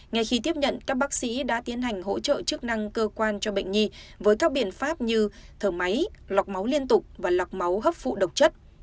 ngay khi tiếp nhận các bác sĩ đã tiến hành hỗ trợ chức năng cơ quan cho bệnh nhi với các biện pháp như thở máy lọc máu liên tục và lọc máu hấp phụ độc chất